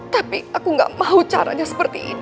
tapi aku gak mau caranya seperti ini